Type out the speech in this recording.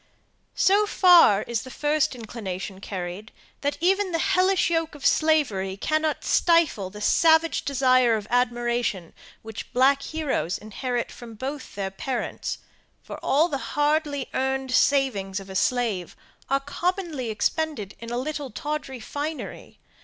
So far is the first inclination carried, that even the hellish yoke of slavery cannot stifle the savage desire of admiration which the black heroes inherit from both their parents, for all the hardly earned savings of a slave are commonly expended in a little tawdry finery.